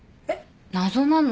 謎なの。